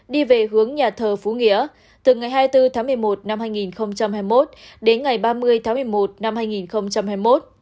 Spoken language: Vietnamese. đi về hướng nhà thờ phú nghĩa từ ngày hai mươi bốn tháng một mươi một năm hai nghìn hai mươi một đến ngày ba mươi tháng một mươi một năm hai nghìn hai mươi một